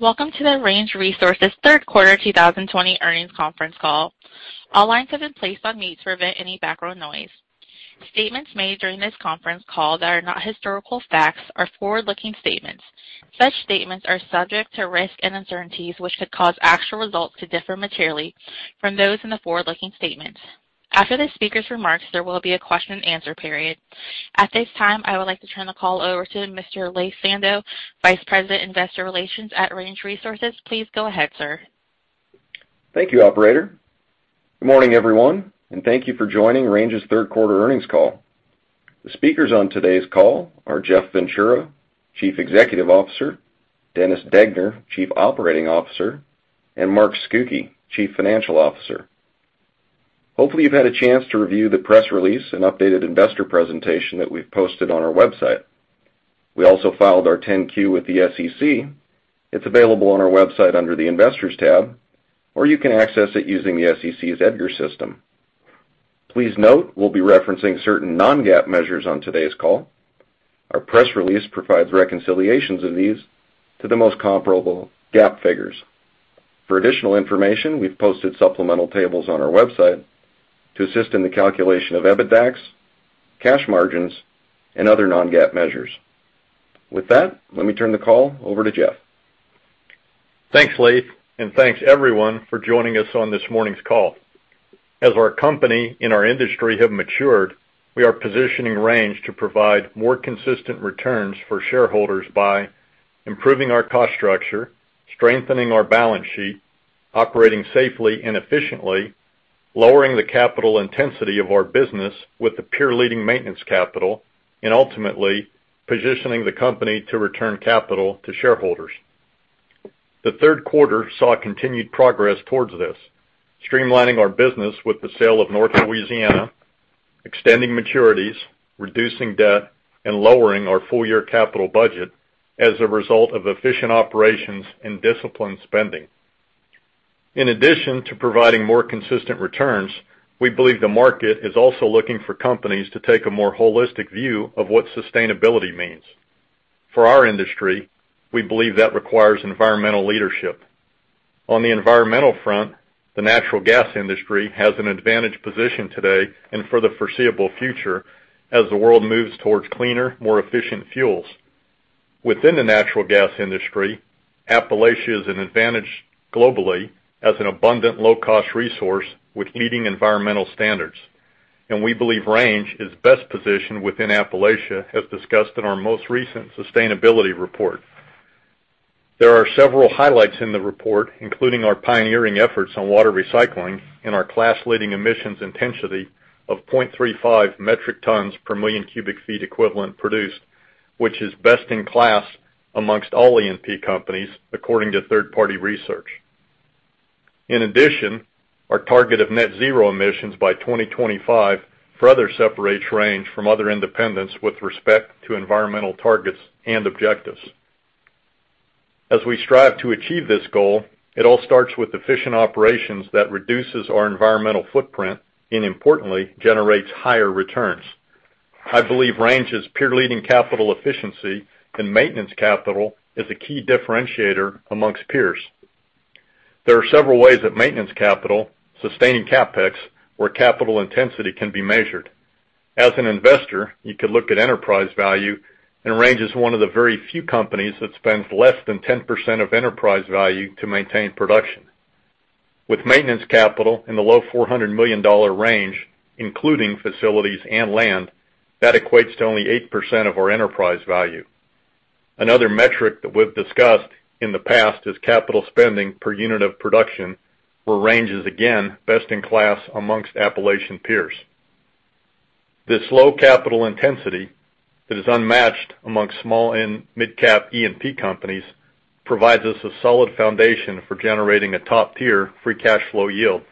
Welcome to the Range Resources third quarter 2020 earnings conference call. All lines have been placed on mute to prevent any background noise. Statements made during this conference call that are not historical facts are forward-looking statements. Such statements are subject to risks and uncertainties, which could cause actual results to differ materially from those in the forward-looking statements. After the speaker's remarks, there will be a question and answer period. At this time, I would like to turn the call over to Mr. Laith Sando, Vice President, Investor Relations at Range Resources. Please go ahead, sir. Thank you, operator. Good morning, everyone, and thank you for joining Range's third quarter earnings call. The speakers on today's call are Jeff Ventura, Chief Executive Officer, Dennis Degner, Chief Operating Officer, and Mark Scucchi, Chief Financial Officer. Hopefully, you've had a chance to review the press release and updated investor presentation that we've posted on our website. We also filed our 10-Q with the SEC. It's available on our website under the Investors tab, or you can access it using the SEC's EDGAR system. Please note, we'll be referencing certain non-GAAP measures on today's call. Our press release provides reconciliations of these to the most comparable GAAP figures. For additional information, we've posted supplemental tables on our website to assist in the calculation of EBITDAX, cash margins, and other non-GAAP measures. With that, let me turn the call over to Jeff. Thanks, Laith, thanks everyone for joining us on this morning's call. As our company and our industry have matured, we are positioning Range to provide more consistent returns for shareholders by improving our cost structure, strengthening our balance sheet, operating safely and efficiently, lowering the capital intensity of our business with the peer-leading maintenance capital, and ultimately positioning the company to return capital to shareholders. The third quarter saw continued progress towards this, streamlining our business with the sale of North Louisiana, extending maturities, reducing debt, and lowering our full-year capital budget as a result of efficient operations and disciplined spending. In addition to providing more consistent returns, we believe the market is also looking for companies to take a more holistic view of what sustainability means. For our industry, we believe that requires environmental leadership. On the environmental front, the natural gas industry has an advantaged position today and for the foreseeable future as the world moves towards cleaner, more efficient fuels. Within the natural gas industry, Appalachia is an advantage globally as an abundant low-cost resource with leading environmental standards, and we believe Range is best positioned within Appalachia as discussed in our most recent sustainability report. There are several highlights in the report, including our pioneering efforts on water recycling and our class-leading emissions intensity of 0.35 metric tons per million cubic feet produced, which is best in class amongst all E&P companies according to third-party research. In addition, our target of net zero emissions by 2025 further separates Range from other independents with respect to environmental targets and objectives. As we strive to achieve this goal, it all starts with efficient operations that reduces our environmental footprint and importantly, generates higher returns. I believe Range's peer-leading capital efficiency and maintenance capital is a key differentiator amongst peers. There are several ways that maintenance capital, sustaining CapEx, where capital intensity can be measured. As an investor, you could look at enterprise value, and Range is one of the very few companies that spends less than 10% of enterprise value to maintain production. With maintenance capital in the low $400 million range, including facilities and land, that equates to only 8% of our enterprise value. Another metric that we've discussed in the past is capital spending per unit of production, where Range is again best in class amongst Appalachian peers. This low capital intensity that is unmatched amongst small and midcap E&P companies provides us a solid foundation for generating a top-tier free cash flow yield.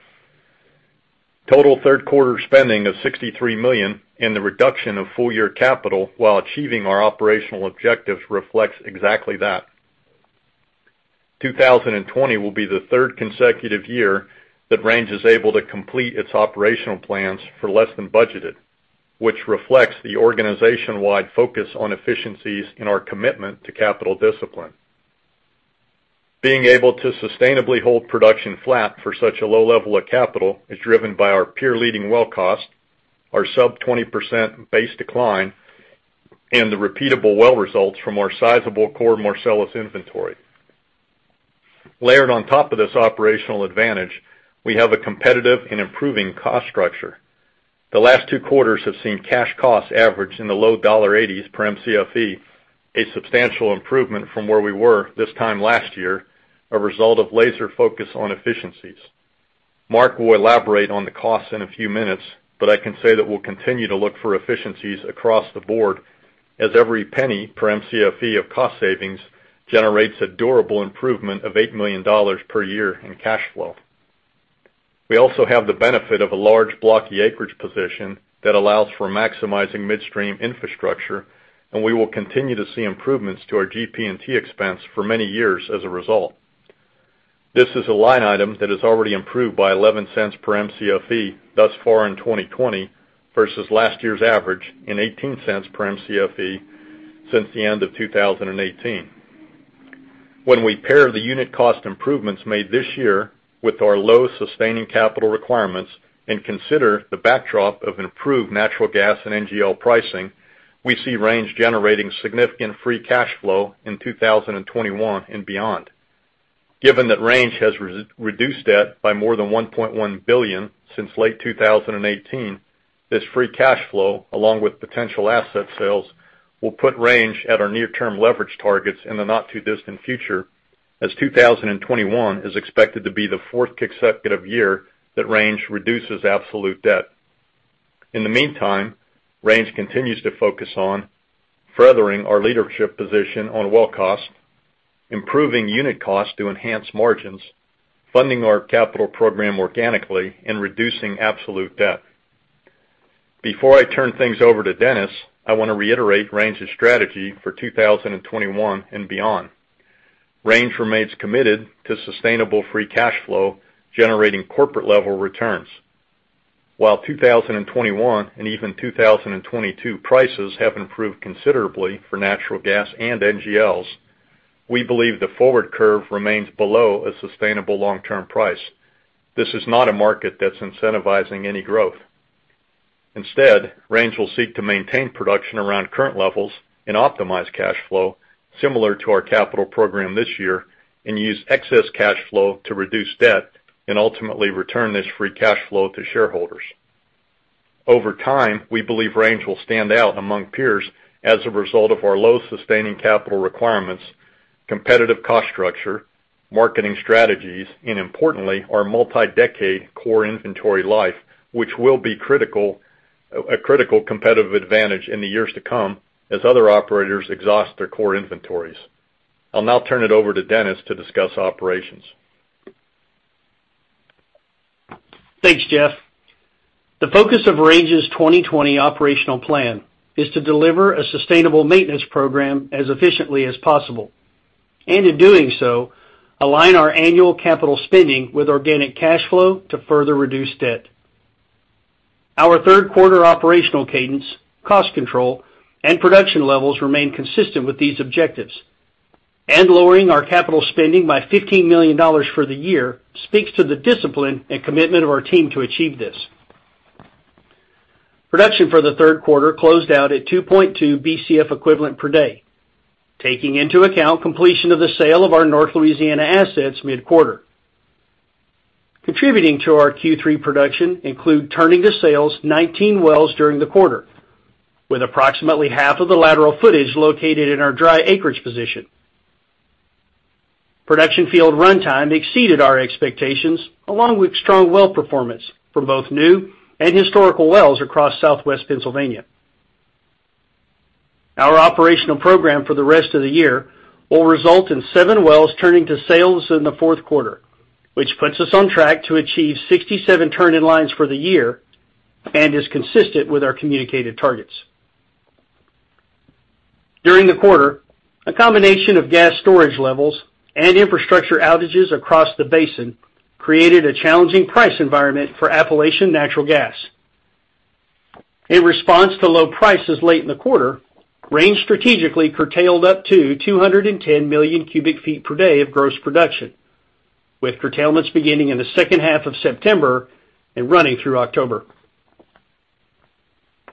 Total third quarter spending of $63 million and the reduction of full-year capital while achieving our operational objectives reflects exactly that. 2020 will be the third consecutive year that Range is able to complete its operational plans for less than budgeted, which reflects the organization-wide focus on efficiencies and our commitment to capital discipline. Being able to sustainably hold production flat for such a low level of capital is driven by our peer-leading well cost, our sub 20% base decline, and the repeatable well results from our sizable core Marcellus inventory. Layered on top of this operational advantage, we have a competitive and improving cost structure. The last two quarters have seen cash costs average in the low $1.80s per Mcfe, a substantial improvement from where we were this time last year, a result of laser focus on efficiencies. Mark will elaborate on the costs in a few minutes, but I can say that we'll continue to look for efficiencies across the board as every penny per Mcfe of cost savings generates a durable improvement of $8 million per year in cash flow. We also have the benefit of a large blocky acreage position that allows for maximizing midstream infrastructure, and we will continue to see improvements to our GP&T expense for many years as a result. This is a line item that has already improved by $0.11 per Mcfe thus far in 2020 versus last year's average in $0.18 per Mcfe since the end of 2018. When we pair the unit cost improvements made this year with our low sustaining capital requirements and consider the backdrop of improved natural gas and NGL pricing, we see Range generating significant free cash flow in 2021 and beyond. Given that Range has reduced debt by more than $1.1 billion since late 2018, this free cash flow, along with potential asset sales, will put Range at our near-term leverage targets in the not-too-distant future, as 2021 is expected to be the fourth consecutive year that Range reduces absolute debt. In the meantime, Range continues to focus on furthering our leadership position on well cost, improving unit cost to enhance margins, funding our capital program organically, and reducing absolute debt. Before I turn things over to Dennis, I want to reiterate Range's strategy for 2021 and beyond. Range remains committed to sustainable free cash flow, generating corporate-level returns. While 2021 and even 2022 prices have improved considerably for natural gas and NGLs, we believe the forward curve remains below a sustainable long-term price. This is not a market that's incentivizing any growth. Instead, Range will seek to maintain production around current levels and optimize cash flow similar to our capital program this year and use excess cash flow to reduce debt and ultimately return this free cash flow to shareholders. Over time, we believe Range will stand out among peers as a result of our low sustaining capital requirements, competitive cost structure, marketing strategies, and importantly, our multi-decade core inventory life, which will be a critical competitive advantage in the years to come as other operators exhaust their core inventories. I'll now turn it over to Dennis to discuss operations. Thanks, Jeff. The focus of Range's 2020 operational plan is to deliver a sustainable maintenance program as efficiently as possible, and in doing so, align our annual capital spending with organic cash flow to further reduce debt. Our third quarter operational cadence, cost control, and production levels remain consistent with these objectives. Lowering our capital spending by $15 million for the year speaks to the discipline and commitment of our team to achieve this. Production for the third quarter closed out at 2.2 Bcf equivalent per day, taking into account completion of the sale of our North Louisiana assets mid-quarter. Contributing to our Q3 production include turning to sales 19 wells during the quarter, with approximately half of the lateral footage located in our dry acreage position. Production field runtime exceeded our expectations, along with strong well performance for both new and historical wells across Southwest Pennsylvania. Our operational program for the rest of the year will result in seven wells turning to sales in the fourth quarter, which puts us on track to achieve 67 turn-in-lines for the year and is consistent with our communicated targets. During the quarter, a combination of gas storage levels and infrastructure outages across the basin created a challenging price environment for Appalachian natural gas. In response to low prices late in the quarter, Range strategically curtailed up to 210 million cubic feet per day of gross production, with curtailments beginning in the second half of September and running through October.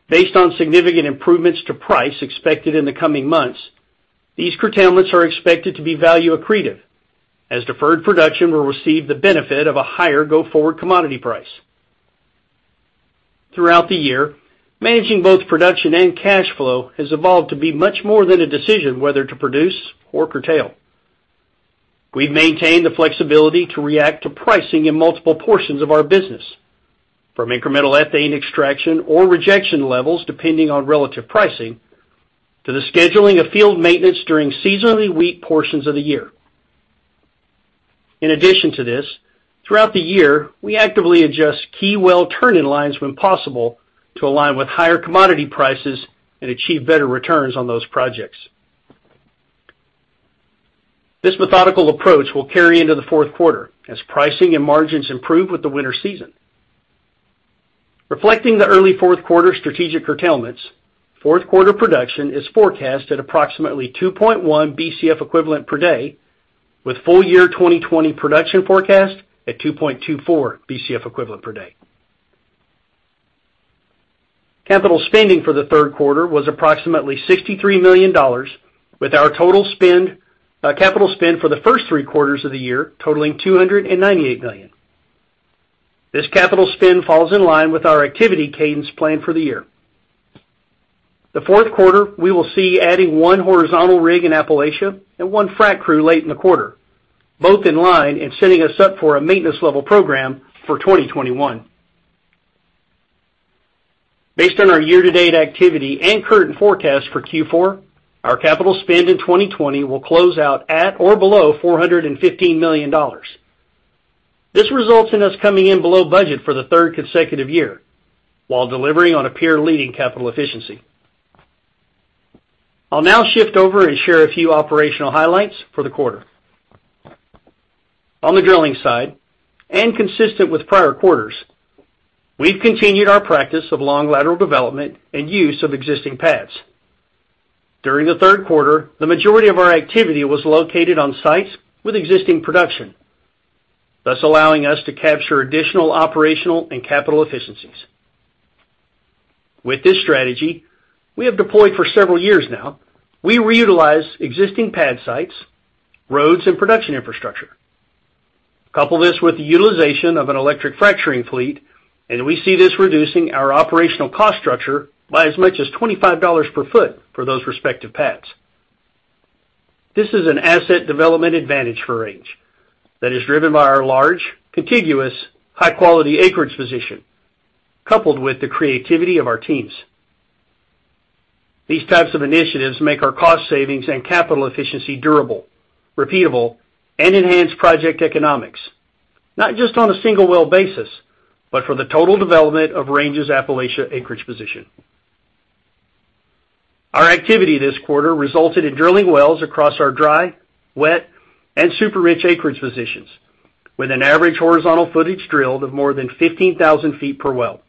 Based on significant improvements to price expected in the coming months, these curtailments are expected to be value accretive as deferred production will receive the benefit of a higher go-forward commodity price. Throughout the year, managing both production and cash flow has evolved to be much more than a decision whether to produce or curtail. We've maintained the flexibility to react to pricing in multiple portions of our business, from incremental ethane extraction or rejection levels, depending on relative pricing, to the scheduling of field maintenance during seasonally weak portions of the year. In addition to this, throughout the year, we actively adjust key well turn-in-lines when possible to align with higher commodity prices and achieve better returns on those projects. This methodical approach will carry into the fourth quarter as pricing and margins improve with the winter season. Reflecting the early fourth quarter strategic curtailments, fourth quarter production is forecast at approximately 2.1 Bcf equivalent per day, with full year 2020 production forecast at 2.24 Bcf equivalent per day. Capital spending for the third quarter was approximately $63 million, with our total capital spend for the first three quarters of the year totaling $298 million. This capital spend falls in line with our activity cadence plan for the year. The fourth quarter, we will see adding one horizontal rig in Appalachia and one frac crew late in the quarter, both in line and setting us up for a maintenance level program for 2021. Based on our year-to-date activity and current forecast for Q4, our capital spend in 2020 will close out at or below $415 million. This results in us coming in below budget for the third consecutive year while delivering on a peer leading capital efficiency. I'll now shift over and share a few operational highlights for the quarter. On the drilling side, consistent with prior quarters, we've continued our practice of long lateral development and use of existing pads. During the third quarter, the majority of our activity was located on sites with existing production, thus allowing us to capture additional operational and capital efficiencies. With this strategy, we have deployed for several years now, we reutilize existing pad sites, roads, and production infrastructure. Couple this with the utilization of an electric fracturing fleet, we see this reducing our operational cost structure by as much as $25 per foot for those respective pads. This is an asset development advantage for Range that is driven by our large, contiguous, high-quality acreage position, coupled with the creativity of our teams. These types of initiatives make our cost savings and capital efficiency durable, repeatable, and enhance project economics, not just on a single well basis, but for the total development of Range's Appalachia acreage position. Our activity this quarter resulted in drilling wells across our dry, wet, and super rich acreage positions, with an average horizontal footage drilled of more than 15,000 ft per well.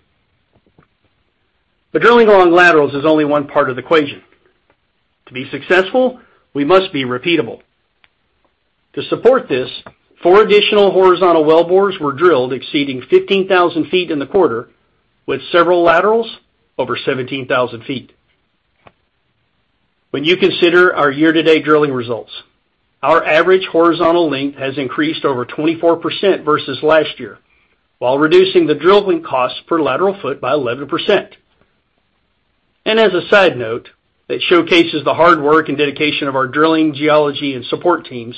Drilling long laterals is only one part of the equation. To be successful, we must be repeatable. To support this, four additional horizontal wellbores were drilled exceeding 15,000 ft in the quarter, with several laterals over 17,000 ft. When you consider our year-to-date drilling results, our average horizontal length has increased over 24% versus last year, while reducing the drilling cost per lateral foot by 11%. As a side note that showcases the hard work and dedication of our drilling geology and support teams,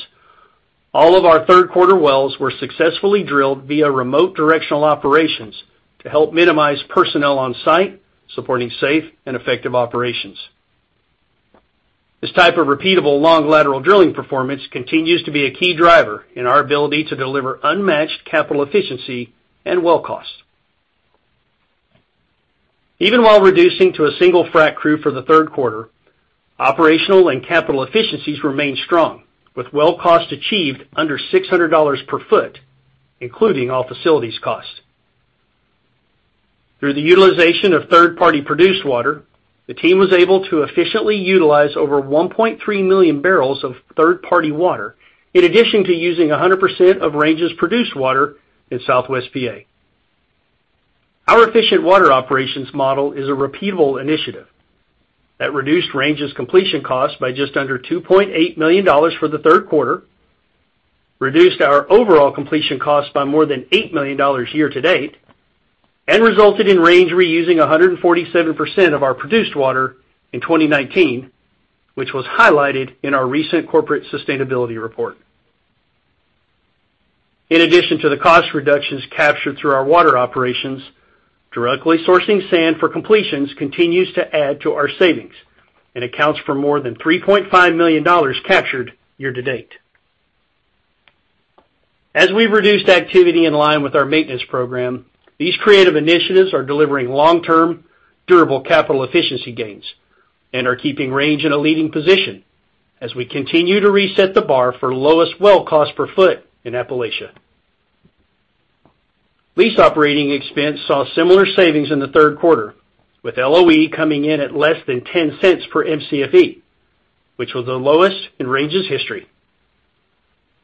all of our third quarter wells were successfully drilled via remote directional operations to help minimize personnel on site, supporting safe and effective operations. This type of repeatable long lateral drilling performance continues to be a key driver in our ability to deliver unmatched capital efficiency and well cost. Even while reducing to a single frac crew for the third quarter, operational and capital efficiencies remained strong, with well cost achieved under $600 per foot, including all facilities costs. Through the utilization of third-party produced water, the team was able to efficiently utilize over 1.3 million barrels of third-party water, in addition to using 100% of Range's produced water in Southwest PA. Our efficient water operations model is a repeatable initiative that reduced Range's completion cost by just under $2.8 million for the third quarter, reduced our overall completion cost by more than $8 million year to date, and resulted in Range reusing 147% of our produced water in 2019, which was highlighted in our recent corporate sustainability report. In addition to the cost reductions captured through our water operations, directly sourcing sand for completions continues to add to our savings and accounts for more than $3.5 million captured year to date. As we've reduced activity in line with our maintenance program, these creative initiatives are delivering long-term durable capital efficiency gains and are keeping Range in a leading position as we continue to reset the bar for lowest well cost per foot in Appalachia. Lease operating expense saw similar savings in the third quarter, with LOE coming in at less than $0.10 per Mcfe, which was the lowest in Range's history.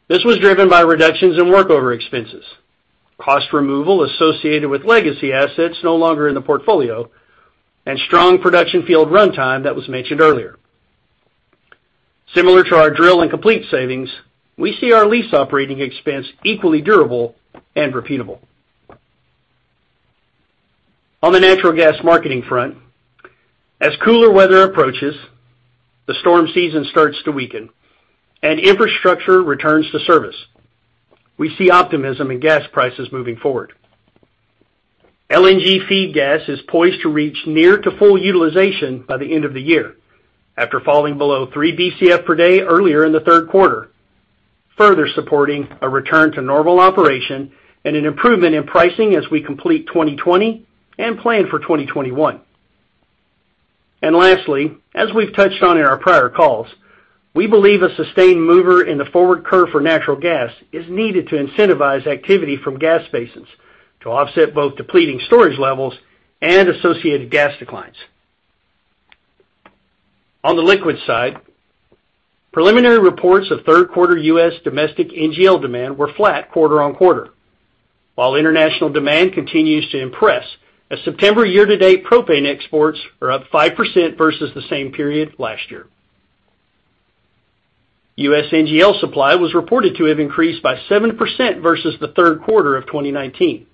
This was driven by reductions in workover expenses, cost removal associated with legacy assets no longer in the portfolio, and strong production field runtime that was mentioned earlier. Similar to our drill and complete savings, we see our lease operating expense equally durable and repeatable. On the natural gas marketing front, as cooler weather approaches, the storm season starts to weaken, and infrastructure returns to service. We see optimism in gas prices moving forward. LNG feed gas is poised to reach near to full utilization by the end of the year after falling below 3 Bcf per day earlier in the third quarter, further supporting a return to normal operation and an improvement in pricing as we complete 2020 and plan for 2021. Lastly, as we've touched on in our prior calls, we believe a sustained mover in the forward curve for natural gas is needed to incentivize activity from gas basins to offset both depleting storage levels and associated gas declines. On the liquid side, preliminary reports of third quarter U.S. domestic NGL demand were flat quarter-on-quarter, while international demand continues to impress as September year-to-date propane exports are up 5% versus the same period last year. U.S. NGL supply was reported to have increased by 7% versus the third quarter of 2019.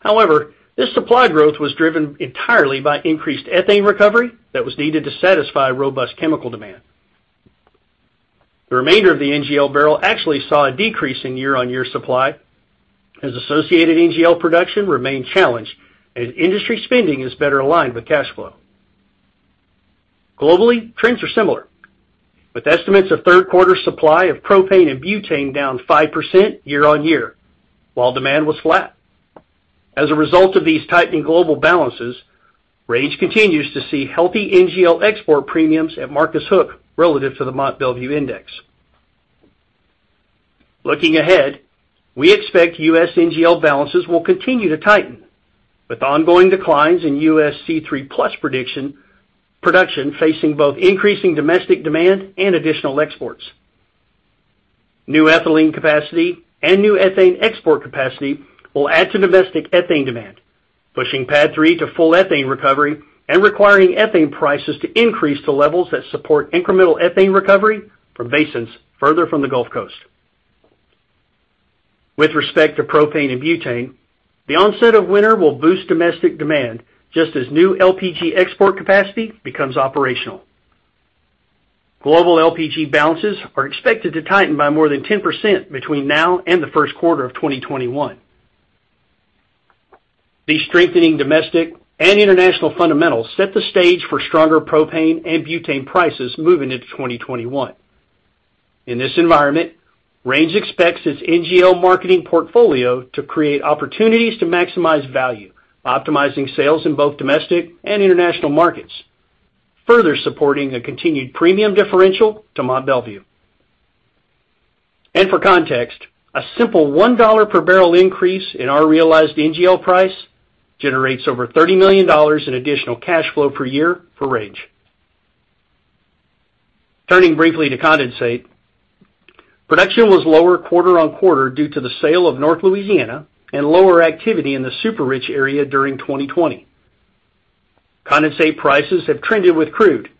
However, this supply growth was driven entirely by increased ethane recovery that was needed to satisfy robust chemical demand. The remainder of the NGL barrel actually saw a decrease in year-on-year supply as associated NGL production remained challenged and industry spending is better aligned with cash flow. Globally, trends are similar, with estimates of third quarter supply of propane and butane down 5% year-on-year, while demand was flat. As a result of these tightening global balances, Range continues to see healthy NGL export premiums at Marcus Hook relative to the Mont Belvieu index. Looking ahead, we expect U.S. NGL balances will continue to tighten with ongoing declines in U.S. C3+ production facing both increasing domestic demand and additional exports. New ethylene capacity and new ethane export capacity will add to domestic ethane demand, pushing PADD 3 to full ethane recovery and requiring ethane prices to increase to levels that support incremental ethane recovery from basins further from the Gulf Coast. With respect to propane and butane, the onset of winter will boost domestic demand just as new LPG export capacity becomes operational. Global LPG balances are expected to tighten by more than 10% between now and the first quarter of 2021. These strengthening domestic and international fundamentals set the stage for stronger propane and butane prices moving into 2021. In this environment, Range expects its NGL marketing portfolio to create opportunities to maximize value, optimizing sales in both domestic and international markets, further supporting a continued premium differential to Mont Belvieu. For context, a simple $1 per barrel increase in our realized NGL price generates over $30 million in additional cash flow per year for Range. Turning briefly to condensate. Production was lower quarter-on-quarter due to the sale of North Louisiana and lower activity in the super rich area during 2020. Condensate prices have trended with crude,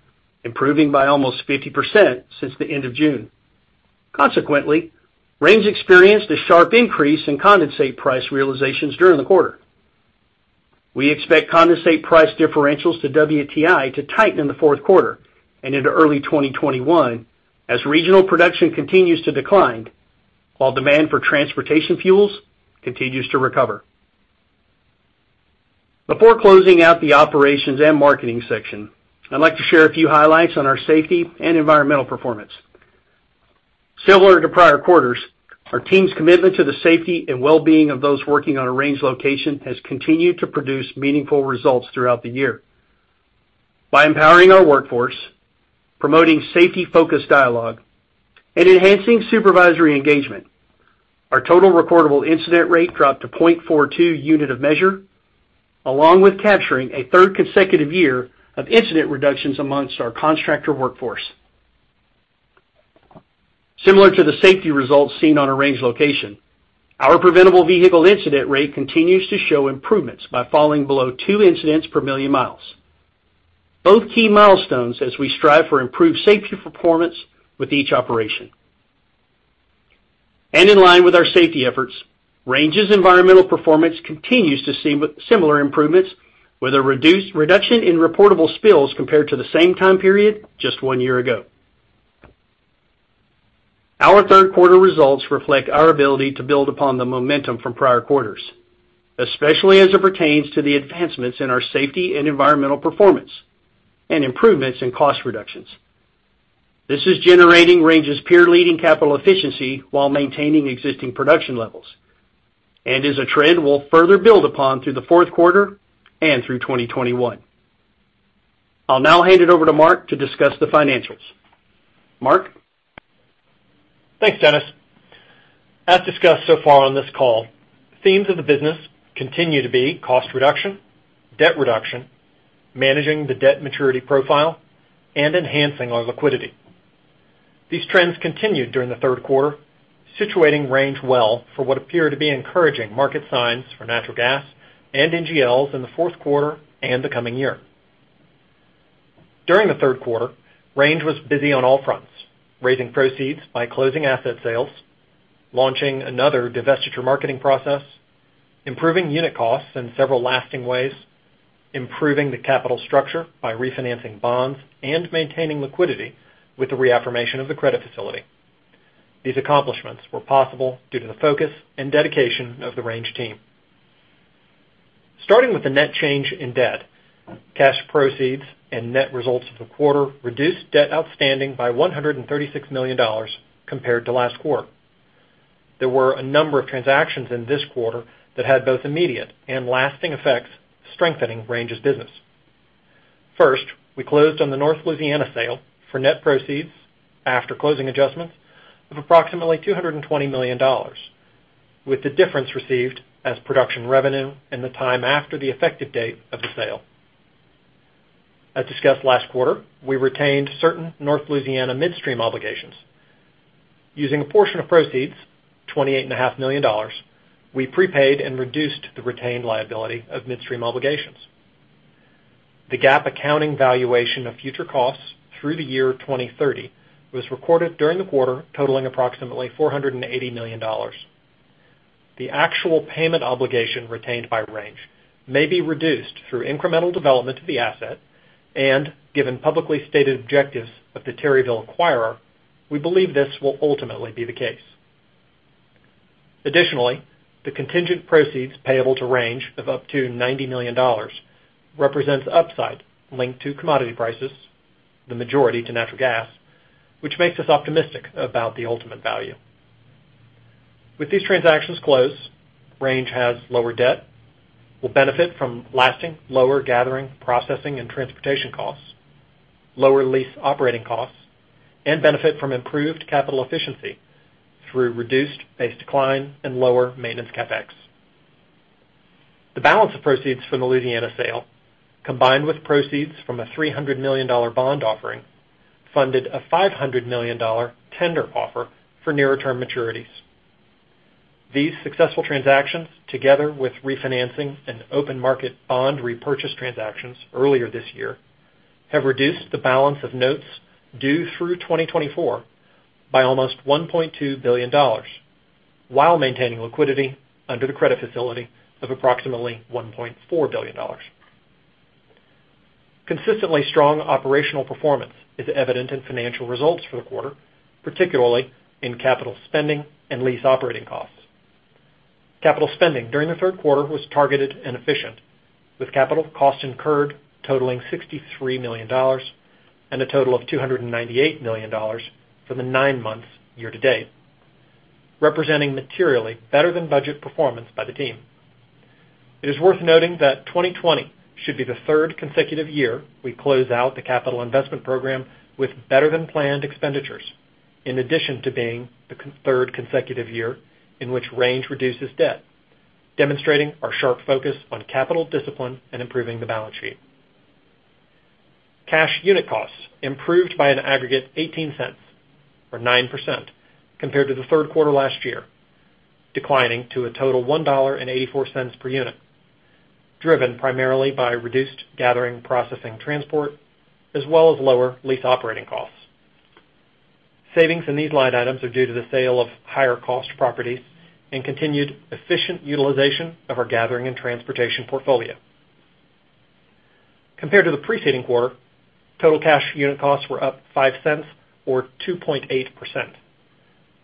improving by almost 50% since the end of June. Consequently, Range experienced a sharp increase in condensate price realizations during the quarter. We expect condensate price differentials to WTI to tighten in the fourth quarter and into early 2021 as regional production continues to decline, while demand for transportation fuels continues to recover. Before closing out the operations and marketing section, I'd like to share a few highlights on our safety and environmental performance. Similar to prior quarters, our team's commitment to the safety and wellbeing of those working on a Range location has continued to produce meaningful results throughout the year. By empowering our workforce, promoting safety-focused dialogue, and enhancing supervisory engagement, our total recordable incident rate dropped to .42 unit of measure, along with capturing a third consecutive year of incident reductions amongst our contractor workforce. Similar to the safety results seen on a Range location, our preventable vehicle incident rate continues to show improvements by falling below two incidents per million miles. Both key milestones as we strive for improved safety performance with each operation. In line with our safety efforts, Range's environmental performance continues to see similar improvements with a reduction in reportable spills compared to the same time period just one year ago. Our third quarter results reflect our ability to build upon the momentum from prior quarters, especially as it pertains to the advancements in our safety and environmental performance and improvements in cost reductions. This is generating Range's peer leading capital efficiency while maintaining existing production levels, and is a trend we'll further build upon through the fourth quarter and through 2021. I'll now hand it over to Mark to discuss the financials. Mark? Thanks, Dennis. As discussed so far on this call, themes of the business continue to be cost reduction, debt reduction, managing the debt maturity profile, and enhancing our liquidity. These trends continued during the third quarter, situating Range well for what appear to be encouraging market signs for natural gas and NGLs in the fourth quarter and the coming year. During the third quarter, Range was busy on all fronts, raising proceeds by closing asset sales, launching another divestiture marketing process, improving unit costs in several lasting ways, improving the capital structure by refinancing bonds, and maintaining liquidity with the reaffirmation of the credit facility. These accomplishments were possible due to the focus and dedication of the Range team. Starting with the net change in debt, cash proceeds and net results of the quarter reduced debt outstanding by $136 million compared to last quarter. There were a number of transactions in this quarter that had both immediate and lasting effects, strengthening Range's business. First, we closed on the North Louisiana sale for net proceeds after closing adjustments of approximately $220 million, with the difference received as production revenue in the time after the effective date of the sale. As discussed last quarter, we retained certain North Louisiana midstream obligations. Using a portion of proceeds, $28.5 million, we prepaid and reduced the retained liability of midstream obligations. The GAAP accounting valuation of future costs through the year 2030 was recorded during the quarter, totaling approximately $480 million. The actual payment obligation retained by Range may be reduced through incremental development of the asset, and given publicly stated objectives of the Terryville acquirer, we believe this will ultimately be the case. Additionally, the contingent proceeds payable to Range of up to $90 million represents upside linked to commodity prices, the majority to natural gas. Which makes us optimistic about the ultimate value. With these transactions closed, Range has lower debt, will benefit from lasting lower gathering, processing, and transportation costs, lower lease operating costs, and benefit from improved capital efficiency through reduced base decline and lower maintenance CapEx. The balance of proceeds from the Louisiana sale, combined with proceeds from a $300 million bond offering, funded a $500 million tender offer for nearer-term maturities. These successful transactions, together with refinancing and open market bond repurchase transactions earlier this year, have reduced the balance of notes due through 2024 by almost $1.2 billion, while maintaining liquidity under the credit facility of approximately $1.4 billion. Consistently strong operational performance is evident in financial results for the quarter, particularly in capital spending and lease operating costs. Capital spending during the third quarter was targeted and efficient, with capital costs incurred totaling $63 million, and a total of $298 million for the nine months year to date, representing materially better-than-budget performance by the team. It is worth noting that 2020 should be the third consecutive year we close out the capital investment program with better-than-planned expenditures, in addition to being the third consecutive year in which Range reduces debt, demonstrating our sharp focus on capital discipline and improving the balance sheet. Cash unit costs improved by an aggregate $0.18, or 9%, compared to the third quarter last year, declining to a total $1.84 per unit, driven primarily by reduced gathering, processing, transport, as well as lower lease operating costs. Savings in these line items are due to the sale of higher-cost properties and continued efficient utilization of our gathering and transportation portfolio. Compared to the preceding quarter, total cash unit costs were up $0.05 or 2.8%,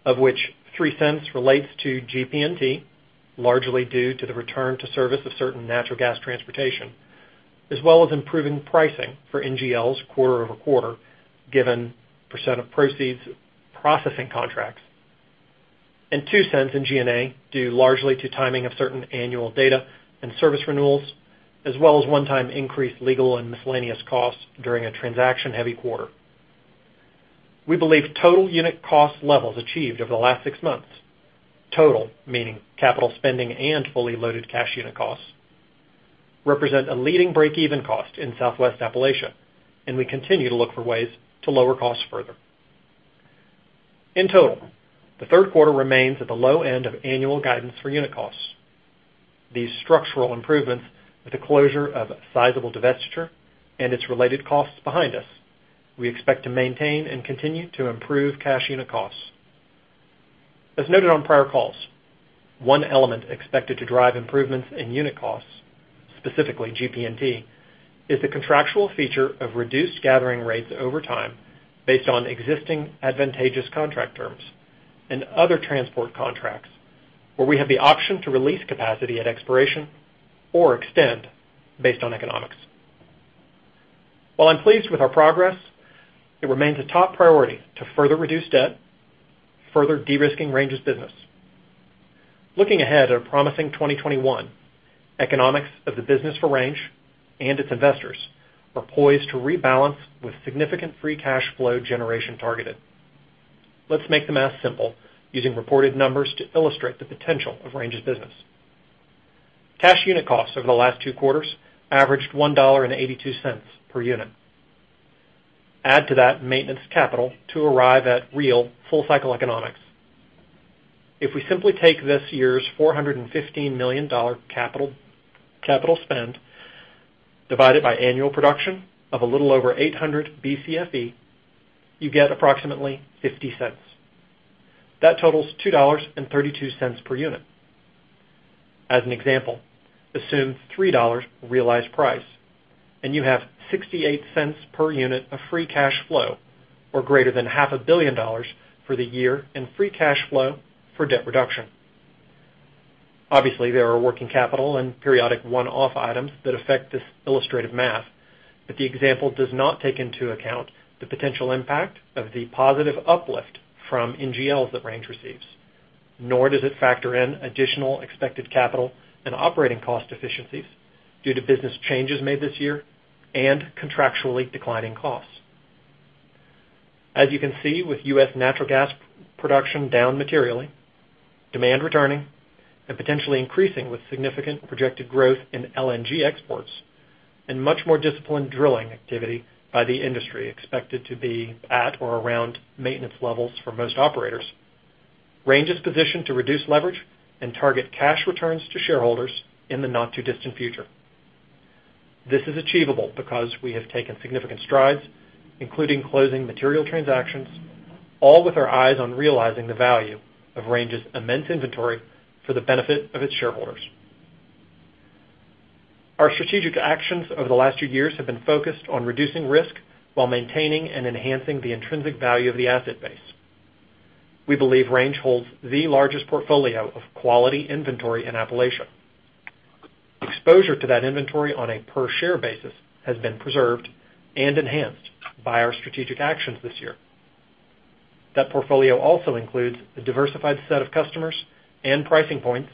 of which $0.03 relates to GP&T, largely due to the return to service of certain natural gas transportation, as well as improving pricing for NGLs quarter-over-quarter given percent of proceeds processing contracts, and $0.02 in G&A due largely to timing of certain annual data and service renewals, as well as one-time increased legal and miscellaneous costs during a transaction-heavy quarter. We believe total unit cost levels achieved over the last six months, total meaning capital spending and fully loaded cash unit costs, represent a leading break-even cost in Southwest Appalachia, and we continue to look for ways to lower costs further. In total, the third quarter remains at the low end of annual guidance for unit costs. These structural improvements, with the closure of a sizable divestiture and its related costs behind us, we expect to maintain and continue to improve cash unit costs. As noted on prior calls, one element expected to drive improvements in unit costs, specifically GP&T, is the contractual feature of reduced gathering rates over time based on existing advantageous contract terms and other transport contracts, where we have the option to release capacity at expiration or extend based on economics. While I'm pleased with our progress, it remains a top priority to further reduce debt, further de-risking Range's business. Looking ahead at a promising 2021, economics of the business for Range and its investors are poised to rebalance with significant free cash flow generation targeted. Let's make the math simple using reported numbers to illustrate the potential of Range's business. Cash unit costs over the last two quarters averaged $1.82 per unit. Add to that maintenance capital to arrive at real full-cycle economics. If we simply take this year's $415 million capital spend, divide it by annual production of a little over 800 Bcfe, you get approximately $0.50. That totals $2.32 per unit. As an example, assume $3 realized price, and you have $0.68 per unit of free cash flow, or greater than $500 million for the year in free cash flow for debt reduction. Obviously, there are working capital and periodic one-off items that affect this illustrated math, but the example does not take into account the potential impact of the positive uplift from NGLs that Range receives, nor does it factor in additional expected capital and operating cost efficiencies due to business changes made this year and contractually declining costs. As you can see, with U.S. natural gas production down materially, demand returning and potentially increasing with significant projected growth in LNG exports and much more disciplined drilling activity by the industry expected to be at or around maintenance levels for most operators, Range is positioned to reduce leverage and target cash returns to shareholders in the not-too-distant future. This is achievable because we have taken significant strides, including closing material transactions, all with our eyes on realizing the value of Range's immense inventory for the benefit of its shareholders. Our strategic actions over the last two years have been focused on reducing risk while maintaining and enhancing the intrinsic value of the asset base. We believe Range holds the largest portfolio of quality inventory in Appalachia. Exposure to that inventory on a per share basis has been preserved and enhanced by our strategic actions this year. That portfolio also includes a diversified set of customers and pricing points,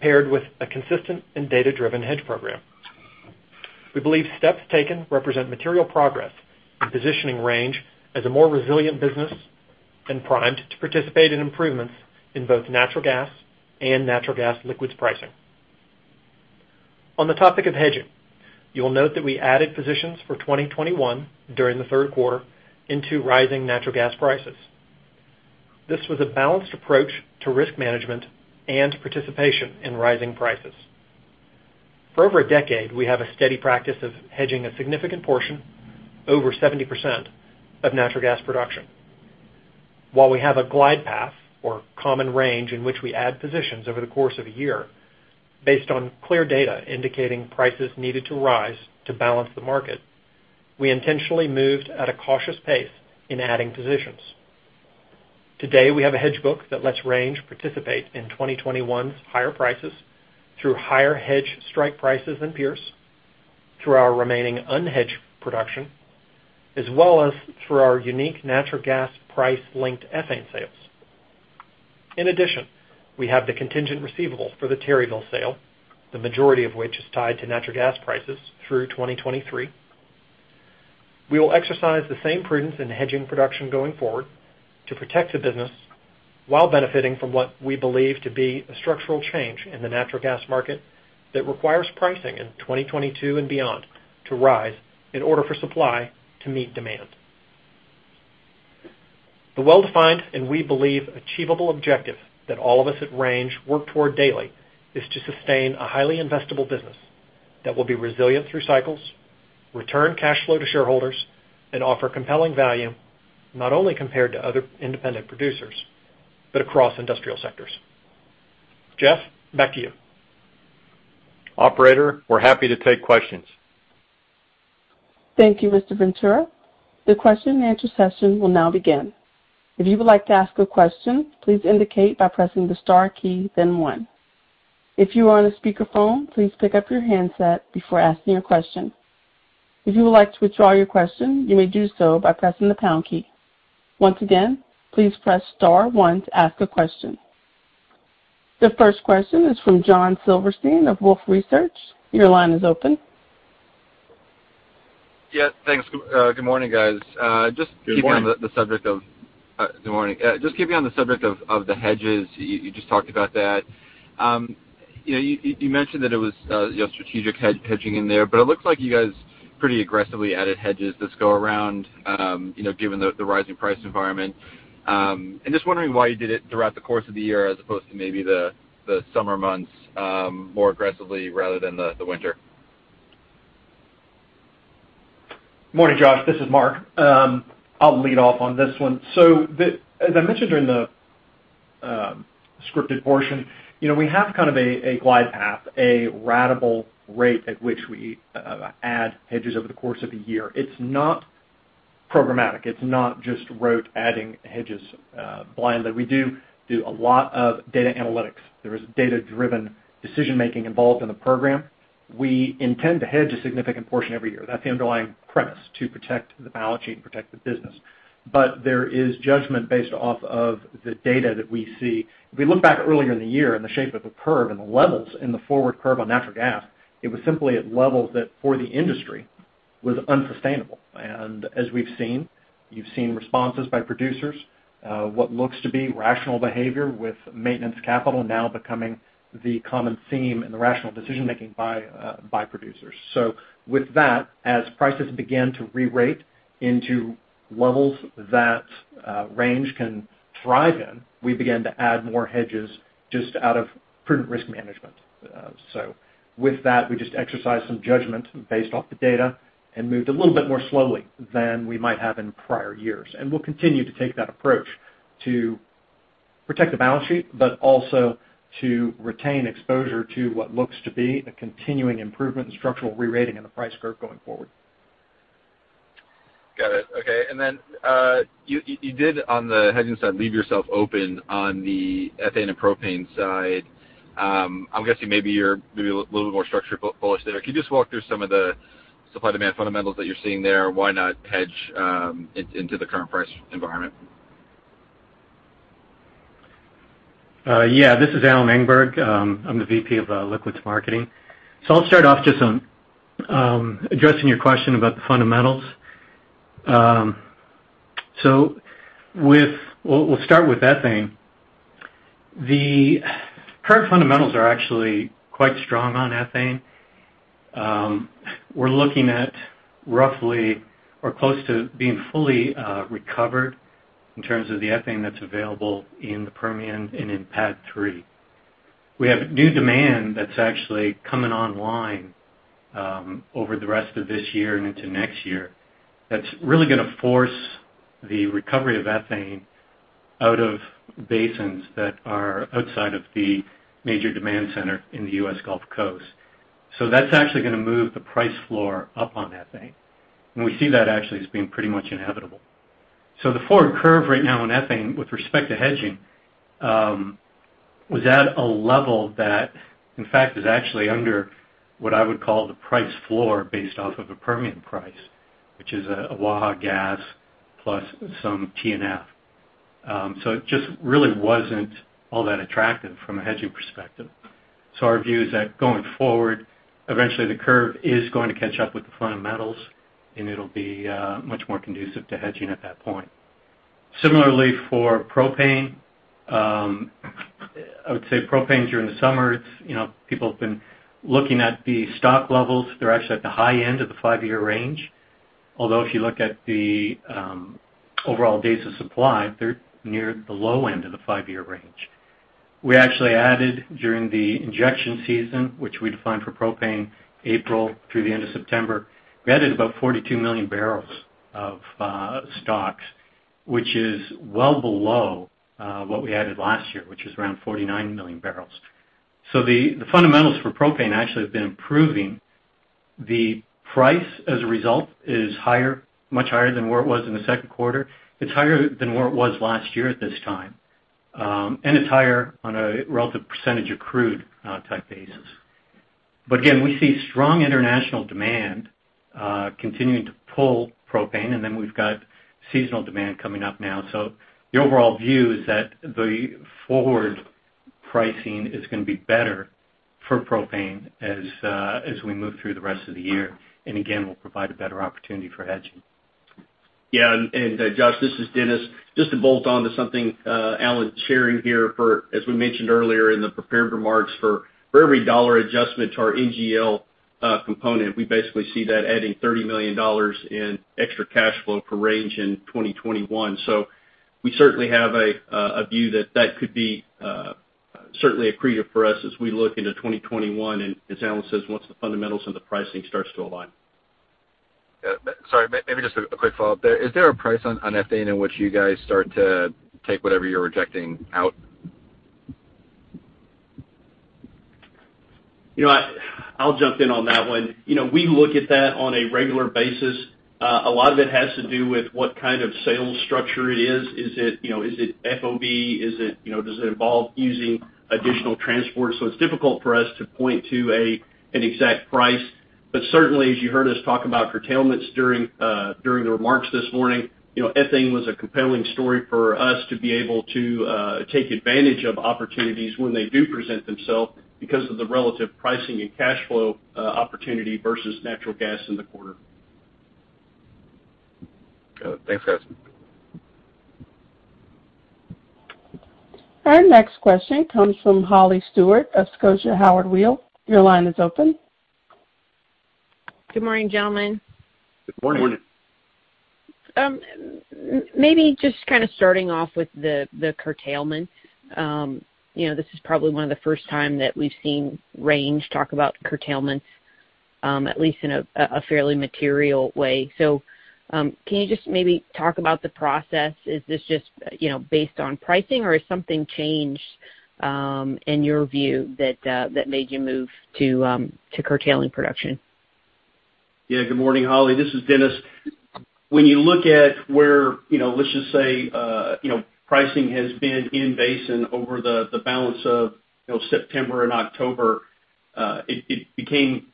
paired with a consistent and data-driven hedge program. We believe steps taken represent material progress in positioning Range as a more resilient business and primed to participate in improvements in both natural gas and natural gas liquids pricing. On the topic of hedging, you will note that we added positions for 2021 during the third quarter into rising natural gas prices. This was a balanced approach to risk management and participation in rising prices. For over a decade, we have a steady practice of hedging a significant portion, over 70%, of natural gas production. While we have a glide path or common range in which we add positions over the course of a year based on clear data indicating prices needed to rise to balance the market, we intentionally moved at a cautious pace in adding positions. Today, we have a hedge book that lets Range participate in 2021's higher prices through higher hedge strike prices than peers, through our remaining unhedged production, as well as through our unique natural gas price-linked ethane sales. In addition, we have the contingent receivable for the Terryville sale, the majority of which is tied to natural gas prices through 2023. We will exercise the same prudence in hedging production going forward to protect the business while benefiting from what we believe to be a structural change in the natural gas market that requires pricing in 2022 and beyond to rise in order for supply to meet demand. The well-defined, and we believe achievable objective that all of us at Range work toward daily is to sustain a highly investable business that will be resilient through cycles, return cash flow to shareholders, and offer compelling value not only compared to other independent producers, but across industrial sectors. Jeff, back to you. Operator, we're happy to take questions. Thank you, Mr. Ventura. The question and answer session will now begin. The first question is from Josh Silverstein of Wolfe Research. Your line is open. Yeah, thanks. Good morning, guys. Good morning. Good morning. Just keeping on the subject of the hedges, you just talked about that. You mentioned that it was strategic hedging in there, but it looks like you guys pretty aggressively added hedges this go around, given the rising price environment. Just wondering why you did it throughout the course of the year as opposed to maybe the summer months, more aggressively, rather than the winter? Morning, Josh. This is Mark. I'll lead off on this one. As I mentioned during the scripted portion, we have kind of a glide path, a ratable rate at which we add hedges over the course of a year. It's not programmatic. It's not just rote adding hedges blindly. We do a lot of data analytics. There is data-driven decision-making involved in the program. We intend to hedge a significant portion every year. That's the underlying premise, to protect the balance sheet and protect the business. There is judgment based off of the data that we see. If we look back earlier in the year and the shape of the curve and the levels in the forward curve on natural gas, it was simply at levels that for the industry was unsustainable. As we've seen, you've seen responses by producers, what looks to be rational behavior with maintenance capital now becoming the common theme and the rational decision-making by producers. With that, as prices began to rerate into levels that Range can thrive in, we began to add more hedges just out of prudent risk management. With that, we just exercised some judgment based off the data and moved a little bit more slowly than we might have in prior years. We'll continue to take that approach to protect the balance sheet, but also to retain exposure to what looks to be a continuing improvement and structural rerating in the price curve going forward. Got it. Okay. You did, on the hedging side, leave yourself open on the ethane and propane side. I'm guessing maybe you're a little bit more structure bullish there. Can you just walk through some of the supply/demand fundamentals that you're seeing there? Why not hedge into the current price environment? Yeah, this is Alan Engberg. I'm the Vice President of Liquids Marketing. I'll start off just on addressing your question about the fundamentals. We'll start with ethane. The current fundamentals are actually quite strong on ethane. We're looking at roughly or close to being fully recovered in terms of the ethane that's available in the Permian and in PADD 3. We have new demand that's actually coming online over the rest of this year and into next year that's really going to force the recovery of ethane out of basins that are outside of the major demand center in the U.S. Gulf Coast. That's actually going to move the price floor up on ethane. We see that actually as being pretty much inevitable. The forward curve right now in ethane with respect to hedging was at a level that, in fact, is actually under what I would call the price floor based off of a Permian price, which is a Waha gas plus some T&F. It just really wasn't all that attractive from a hedging perspective. Our view is that going forward, eventually the curve is going to catch up with the fundamentals and it'll be much more conducive to hedging at that point. Similarly for propane, I would say propane during the summer, people have been looking at the stock levels. They're actually at the high end of the five-year range. Although if you look at the overall days of supply, they're near the low end of the five-year range. We actually added during the injection season, which we define for propane, April through the end of September. We added about 42 million barrels of stocks, which is well below what we added last year, which is around 49 million barrels. The fundamentals for propane actually have been improving. The price, as a result, is much higher than where it was in the second quarter. It's higher than where it was last year at this time. It's higher on a relative percentage of crude type basis. Again, we see strong international demand continuing to pull propane, and then we've got seasonal demand coming up now. The overall view is that the forward pricing is going to be better for propane as we move through the rest of the year. Again, will provide a better opportunity for hedging. Yeah. Josh, this is Dennis. Just to bolt onto something Alan sharing here, as we mentioned earlier in the prepared remarks for every dollar adjustment to our NGL component, we basically see that adding $30 million in extra cash flow for Range in 2021. We certainly have a view that that could be certainly accretive for us as we look into 2021, and as Alan says, once the fundamentals and the pricing starts to align. Sorry, maybe just a quick follow-up there. Is there a price on ethane in which you guys start to take whatever you're rejecting out? I'll jump in on that one. We look at that on a regular basis. A lot of it has to do with what kind of sales structure it is. Is it FOB? Does it involve using additional transport? It's difficult for us to point to an exact price. Certainly, as you heard us talk about curtailments during the remarks this morning, ethane was a compelling story for us to be able to take advantage of opportunities when they do present themselves because of the relative pricing and cash flow opportunity versus natural gas in the quarter. Got it. Thanks, guys. Our next question comes from Holly Stewart of Scotia Howard Weil. Your line is open. Good morning, gentlemen. Good morning. Good morning. Maybe just kind of starting off with the curtailment. This is probably one of the first time that we've seen Range talk about curtailment, at least in a fairly material way. Can you just maybe talk about the process? Is this just based on pricing or has something changed in your view that made you move to curtailing production? Yeah. Good morning, Holly. This is Dennis. When you look at where, let's just say pricing has been in basin over the balance of September and October, it became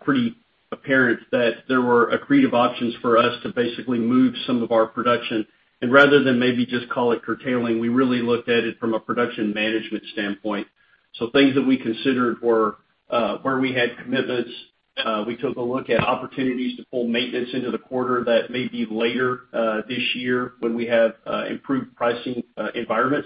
pretty apparent that there were accretive options for us to basically move some of our production. Rather than maybe just call it curtailing, we really looked at it from a production management standpoint. Things that we considered were where we had commitments. We took a look at opportunities to pull maintenance into the quarter that may be later this year when we have improved pricing environment.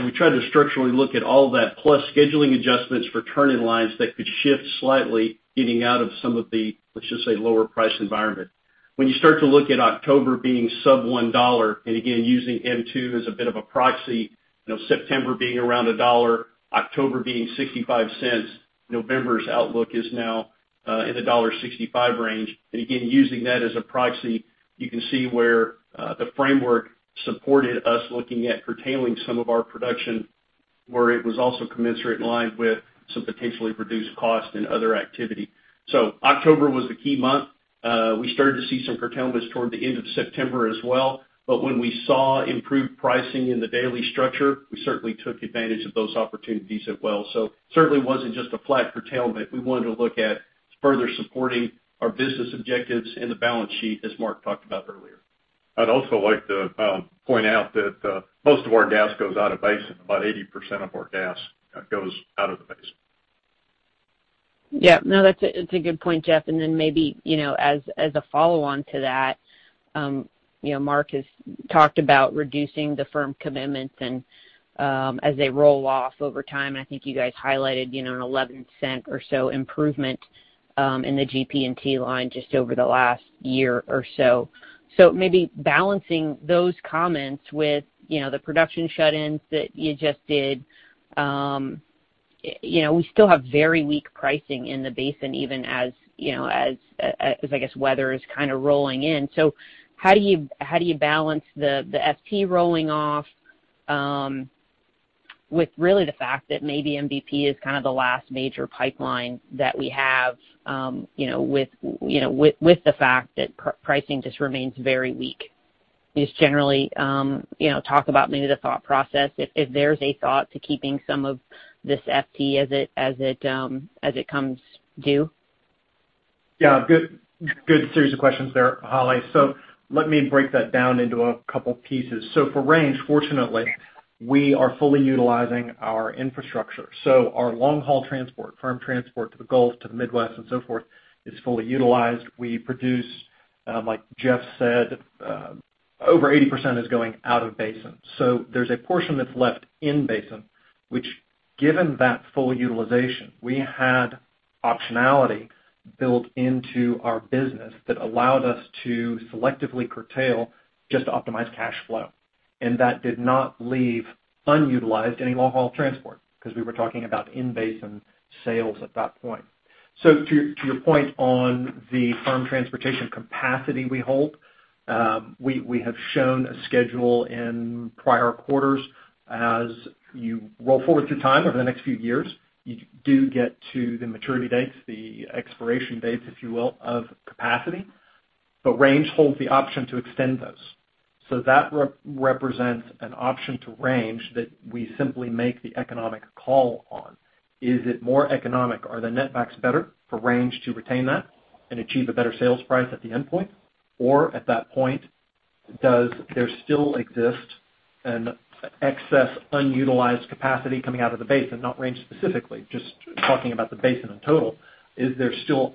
We tried to structurally look at all that plus scheduling adjustments for turning lines that could shift slightly, getting out of some of the, let's just say, lower price environment. When you start to look at October being sub $1, again, using M2 as a bit of a proxy, September being around $1, October being $0.65, November's outlook is now in the $1.65 range. Again, using that as a proxy, you can see where the framework supported us looking at curtailing some of our production where it was also commensurate in line with some potentially reduced cost and other activity. October was the key month. We started to see some curtailments toward the end of September as well. When we saw improved pricing in the daily structure, we certainly took advantage of those opportunities as well. Certainly wasn't just a flat curtailment. We wanted to look at further supporting our business objectives and the balance sheet, as Mark talked about earlier. I'd also like to point out that most of our gas goes out of basin. About 80% of our gas goes out of the basin. Yeah. No, that's a good point, Jeff. Then maybe, as a follow-on to that, Mark has talked about reducing the firm commitments and as they roll off over time, and I think you guys highlighted a $0.11 or so improvement in the GP&T line just over the last year or so. Maybe balancing those comments with the production shut-ins that you just did. We still have very weak pricing in the basin, even as I guess weather is kind of rolling in. How do you balance the FT rolling off? With really the fact that maybe MVP is kind of the last major pipeline that we have, with the fact that pricing just remains very weak. Just generally, talk about maybe the thought process, if there's a thought to keeping some of this FT as it comes due. Yeah. Good series of questions there, Holly. Let me break that down into a couple pieces. For Range, fortunately, we are fully utilizing our infrastructure. Our long-haul transport, firm transport to the Gulf, to the Midwest, and so forth, is fully utilized. We produce, like Jeff said, over 80% is going out of basin. There's a portion that's left in basin, which given that full utilization, we had optionality built into our business that allowed us to selectively curtail, just to optimize cash flow. That did not leave unutilized any long-haul transport, because we were talking about in-basin sales at that point. To your point on the firm transportation capacity we hold, we have shown a schedule in prior quarters. As you roll forward through time over the next few years, you do get to the maturity dates, the expiration dates, if you will, of capacity. Range holds the option to extend those. That represents an option to Range that we simply make the economic call on. Is it more economic? Are the netbacks better for Range to retain that and achieve a better sales price at the endpoint? At that point, does there still exist an excess unutilized capacity coming out of the basin? Not Range specifically, just talking about the basin in total. Is there still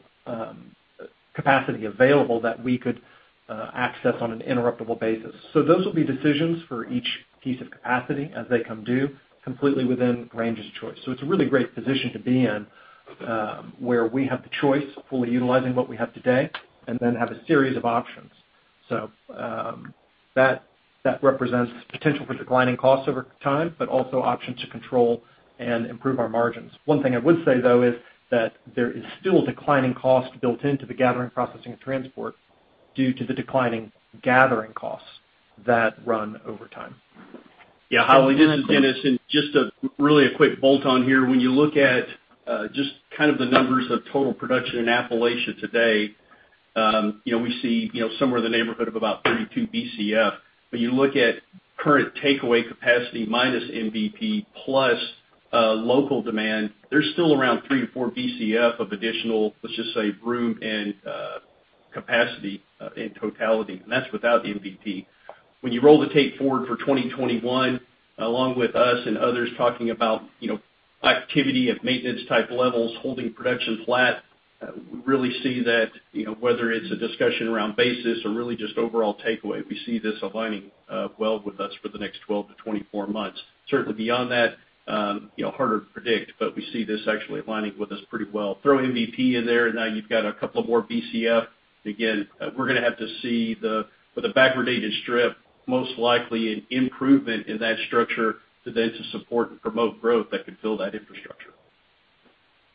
capacity available that we could access on an interruptible basis? Those will be decisions for each piece of capacity as they come due, completely within Range's choice. It's a really great position to be in, where we have the choice, fully utilizing what we have today, and then have a series of options. That represents potential for declining costs over time, but also options to control and improve our margins. One thing I would say, though, is that there is still declining cost built into the gathering, processing, and transport due to the declining gathering costs that run over time. Holly, this is Dennis, just really a quick bolt on here. When you look at just kind of the numbers of total production in Appalachia today, we see somewhere in the neighborhood of about 32 Bcf. When you look at current takeaway capacity minus MVP, plus local demand, there's still around 3 Bcf-4 Bcf of additional, let's just say, room and capacity in totality, and that's without MVP. When you roll the tape forward for 2021, along with us and others talking about activity at maintenance type levels, holding production flat, we really see that, whether it's a discussion around basis or really just overall takeaway, we see this aligning well with us for the next 12 to 24 months. Certainly beyond that, harder to predict, but we see this actually aligning with us pretty well. Throw MVP in there, now you've got a couple of more Bcf. We're going to have to see with a back-gradated strip, most likely an improvement in that structure then to support and promote growth that could build that infrastructure.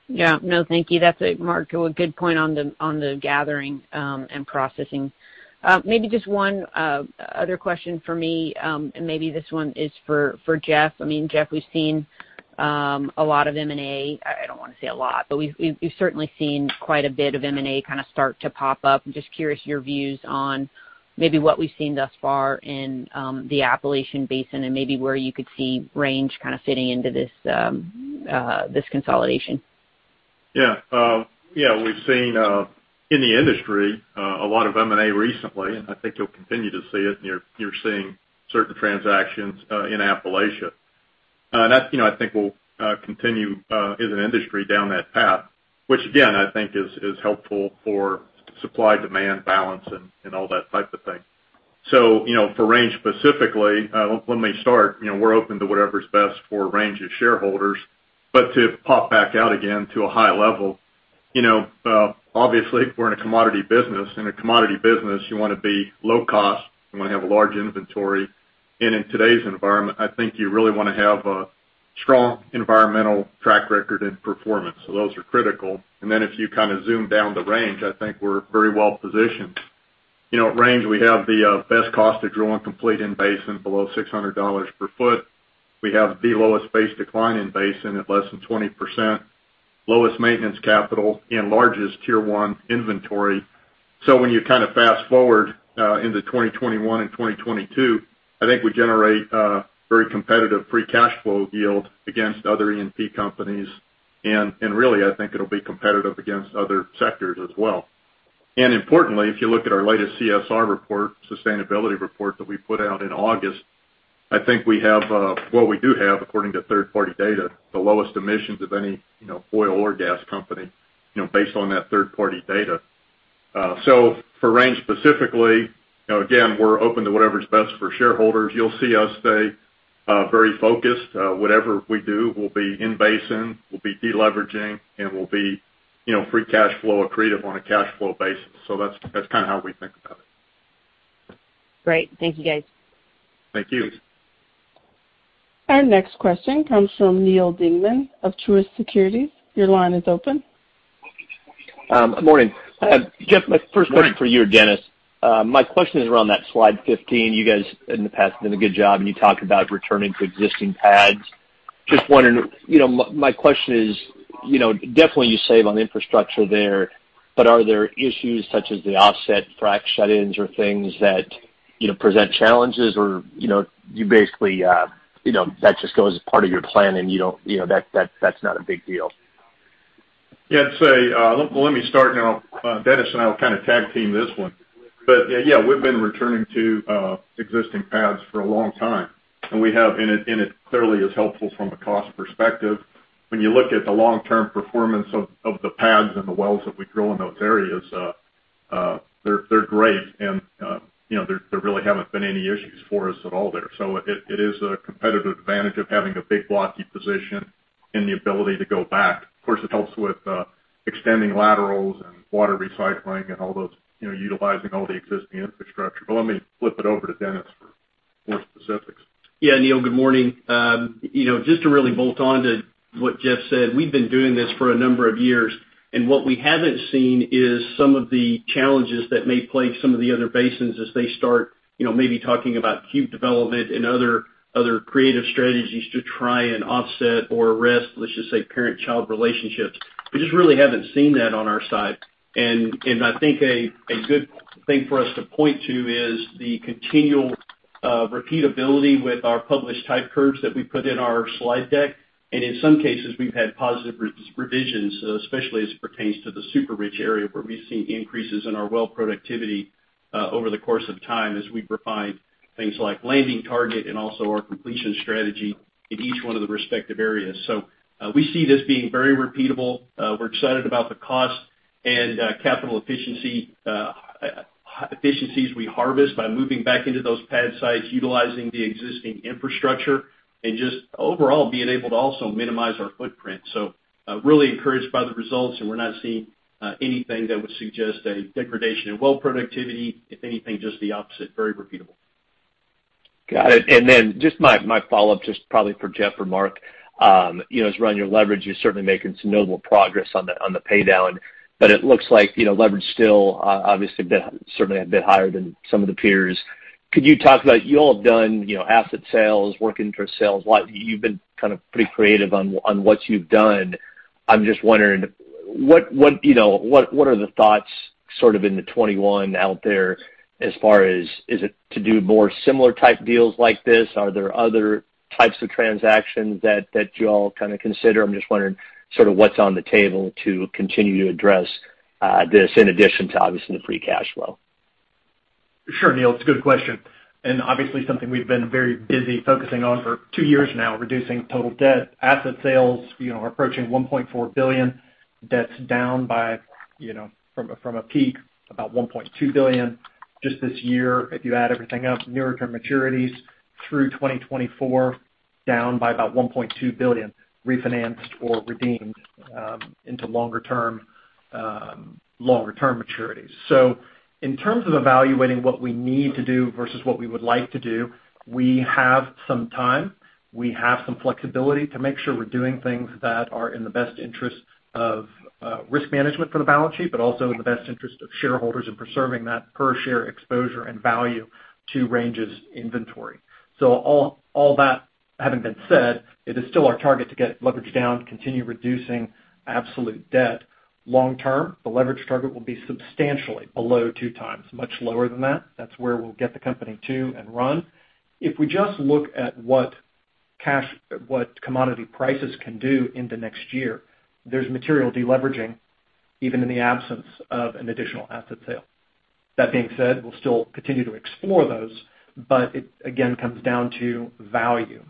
Yeah. No, thank you. That's it, Mark. A good point on the gathering and processing. Maybe just one other question for me, and maybe this one is for Jeff. I mean, Jeff, we've seen a lot of M&A. I don't want to say a lot, but we've certainly seen quite a bit of M&A kind of start to pop up. I'm just curious your views on maybe what we've seen thus far in the Appalachian Basin, and maybe where you could see Range kind of fitting into this consolidation. Yeah. We've seen, in the industry, a lot of M&A recently, and I think you'll continue to see it, and you're seeing certain transactions in Appalachia. That I think will continue, as an industry, down that path, which again, I think is helpful for supply-demand balance and all that type of thing. For Range specifically, let me start, we're open to whatever's best for Range's shareholders. To pop back out again to a high level, obviously, we're in a commodity business. In a commodity business, you want to be low cost, you want to have a large inventory, and in today's environment, I think you really want to have a strong environmental track record and performance. Those are critical. If you kind of zoom down to Range, I think we're very well positioned. At Range, we have the best cost to drill and complete in basin below $600 per foot. We have the lowest base decline in basin at less than 20%. Lowest maintenance capital and largest Tier 1 inventory. When you kind of fast-forward into 2021 and 2022, I think we generate a very competitive free cash flow yield against other E&P companies. Really, I think it'll be competitive against other sectors as well. Importantly, if you look at our latest CSR report, sustainability report that we put out in August, I think we have, well, we do have, according to third-party data, the lowest emissions of any oil or gas company, based on that third-party data. For Range specifically, again, we're open to whatever's best for shareholders. You'll see us stay very focused. Whatever we do, we'll be in-basin, we'll be de-leveraging, and we'll be free cash flow accretive on a cash flow basis. That's kind of how we think about it. Great. Thank you, guys. Thank you. Thank you. Our next question comes from Neal Dingmann of Truist Securities. Your line is open. Good morning. Jeff, my first question is for you or Dennis. My question is around that slide 15. You guys in the past have done a good job, and you talk about returning to existing pads. My question is, definitely you save on infrastructure there, but are there issues such as the offset frack shut-ins or things that present challenges? Do you basically, that just goes as part of your plan and that's not a big deal? Yeah. Let me start, and Dennis and I will tag team this one. Yeah, we've been returning to existing pads for a long time, it clearly is helpful from a cost perspective. When you look at the long-term performance of the pads and the wells that we drill in those areas, they're great. There really haven't been any issues for us at all there. It is a competitive advantage of having a big blocky position and the ability to go back. Of course, it helps with extending laterals and water recycling and utilizing all the existing infrastructure. Let me flip it over to Dennis for more specifics. Yeah, Neal, good morning. Just to really bolt on to what Jeff said, we've been doing this for a number of years. What we haven't seen is some of the challenges that may plague some of the other basins as they start maybe talking about cube development and other creative strategies to try and offset or arrest, let's just say, parent-child relationships. We just really haven't seen that on our side. I think a good thing for us to point to is the continual repeatability with our published type curves that we put in our slide deck. In some cases, we've had positive revisions, especially as it pertains to the super rich area, where we've seen increases in our well productivity over the course of time as we refine things like landing target and also our completion strategy in each one of the respective areas. We see this being very repeatable. We're excited about the cost and capital efficiencies we harvest by moving back into those pad sites, utilizing the existing infrastructure, and just overall being able to also minimize our footprint. Really encouraged by the results, and we're not seeing anything that would suggest a degradation in well productivity. If anything, just the opposite, very repeatable. Got it. Then just my follow-up, just probably for Jeff or Mark, is around your leverage. You're certainly making some notable progress on the pay down, but it looks like leverage still, obviously, certainly a bit higher than some of the peers. Could you talk about, you all have done asset sales, working for sales. You've been pretty creative on what you've done. I'm just wondering, what are the thoughts sort of in the 2021 out there as far as, is it to do more similar type deals like this? Are there other types of transactions that you all consider? I'm just wondering sort of what's on the table to continue to address this in addition to, obviously, the free cash flow. Sure, Neal. It's a good question, obviously something we've been very busy focusing on for two years now, reducing total debt. Asset sales approaching $1.4 billion. Debt's down from a peak about $1.2 billion just this year. If you add everything up, nearer term maturities through 2024, down by about $1.2 billion, refinanced or redeemed into longer term maturities. In terms of evaluating what we need to do versus what we would like to do, we have some time. We have some flexibility to make sure we're doing things that are in the best interest of risk management for the balance sheet, also in the best interest of shareholders in preserving that per share exposure and value to Range's inventory. All that having been said, it is still our target to get leverage down, continue reducing absolute debt long term. The leverage target will be substantially below two times, much lower than that. That's where we'll get the company to and run. If we just look at what commodity prices can do in the next year, there's material de-leveraging even in the absence of an additional asset sale. It, again, comes down to value.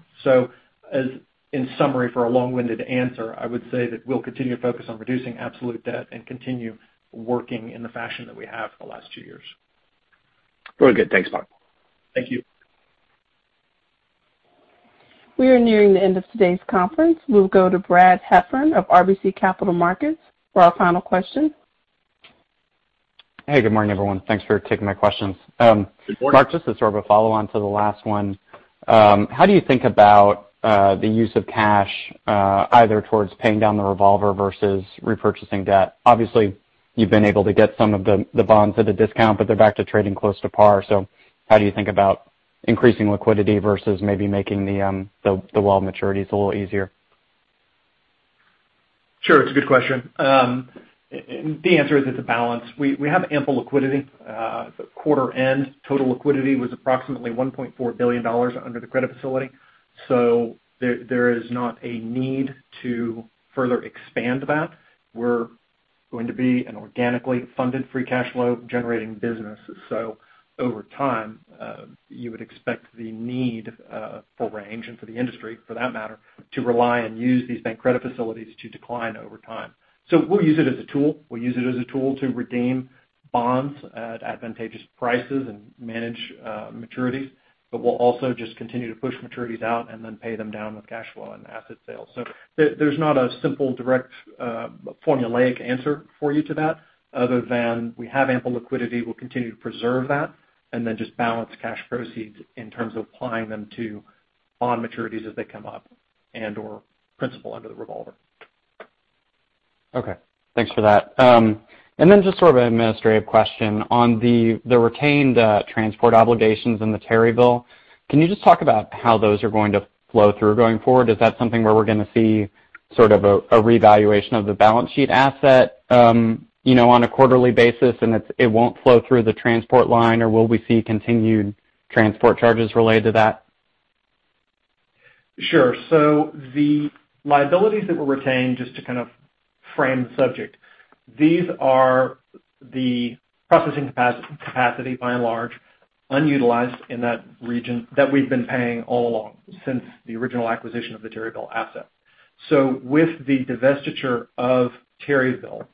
In summary for a long-winded answer, I would say that we'll continue to focus on reducing absolute debt and continue working in the fashion that we have for the last two years. Very good. Thanks, Mark. Thank you. We are nearing the end of today's conference. We'll go to Brad Heffern of RBC Capital Markets for our final question. Hey, good morning, everyone. Thanks for taking my questions. Good morning. Mark, just as sort of a follow-on to the last one. How do you think about the use of cash, either towards paying down the revolver versus repurchasing debt? Obviously, you've been able to get some of the bonds at a discount, but they're back to trading close to par. How do you think about increasing liquidity versus maybe making the wall of maturities a little easier? Sure. It's a good question. The answer is, it's a balance. We have ample liquidity. Quarter end total liquidity was approximately $1.4 billion under the credit facility. There is not a need to further expand that. We're going to be an organically funded free cash flow generating business. Over time, you would expect the need for Range, and for the industry for that matter, to rely and use these bank credit facilities to decline over time. We'll use it as a tool. We'll use it as a tool to redeem bonds at advantageous prices and manage maturities, but we'll also just continue to push maturities out and then pay them down with cash flow and asset sales. There's not a simple, direct formulaic answer for you to that other than we have ample liquidity. We'll continue to preserve that and then just balance cash proceeds in terms of applying them to bond maturities as they come up, and/or principal under the revolver. Okay, thanks for that. Just sort of an administrative question. On the retained transport obligations in the Terryville, can you just talk about how those are going to flow through going forward? Is that something where we're going to see sort of a revaluation of the balance sheet asset on a quarterly basis, and it won't flow through the transport line, or will we see continued transport charges related to that? Sure. The liabilities that were retained, just to kind of frame the subject, these are the processing capacity, by and large, unutilized in that region that we've been paying all along since the original acquisition of the Terryville asset. With the divestiture of Terryville,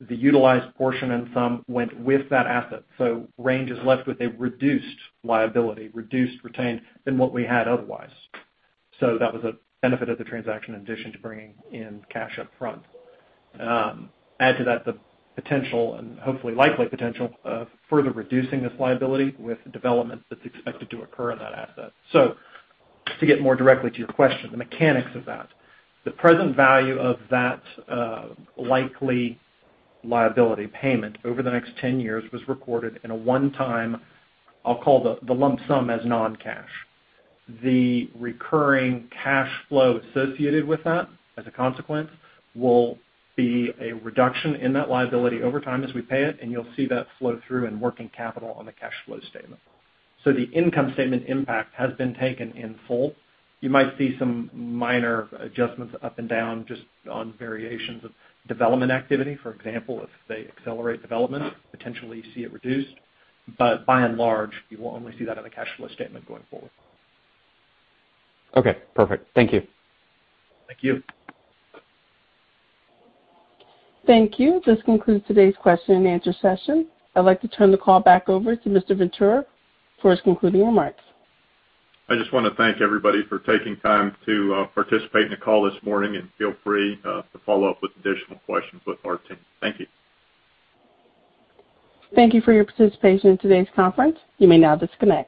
the utilized portion and some went with that asset. Range is left with a reduced liability retained than what we had otherwise. That was a benefit of the transaction in addition to bringing in cash up front. Add to that the potential, and hopefully likely potential, of further reducing this liability with the development that's expected to occur on that asset. To get more directly to your question, the mechanics of that, the present value of that likely liability payment over the next 10 years was recorded in a one-time, I'll call the lump sum as non-cash. The recurring cash flow associated with that, as a consequence, will be a reduction in that liability over time as we pay it, and you'll see that flow through in working capital on the cash flow statement. The income statement impact has been taken in full. You might see some minor adjustments up and down just on variations of development activity. For example, if they accelerate development, potentially see it reduced, but by and large, you will only see that on the cash flow statement going forward. Okay, perfect. Thank you. Thank you. Thank you. This concludes today's question and answer session. I'd like to turn the call back over to Mr. Ventura for his concluding remarks. I just want to thank everybody for taking time to participate in the call this morning, and feel free to follow up with additional questions with our team. Thank you. Thank you for your participation in today's conference. You may now disconnect.